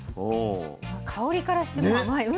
香りからしてもう甘い。